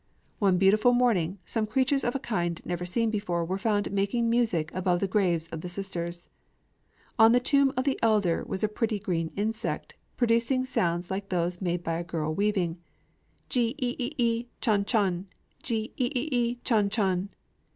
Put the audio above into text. One beautiful morning, some creatures of a kind never seen before were found making music above the graves of the sisters. On the tomb of the elder was a pretty green insect, producing sounds like those made by a girl weaving, _ji ï ï ï, chon chon! ji ï ï ï, chon chon!